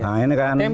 nah ini kan